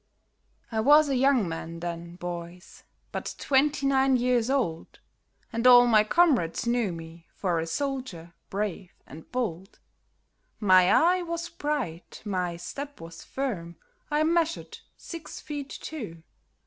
I was a young man then, boys, but twenty nine years old, And all my comrades knew me for a soldier brave and bold; My eye was bright, my step was firm, I measured six feet two.